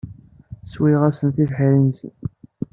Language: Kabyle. Sswayeɣ-asen tibḥirt-nsen.